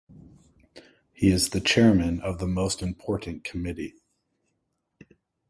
He is the Chairman of the Most Important Committee.